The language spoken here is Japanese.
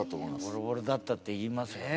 ボロボロだったっていいますよね。